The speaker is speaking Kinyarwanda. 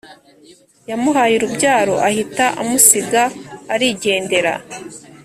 yamuhaye ururabyo ahita amusiga arigendera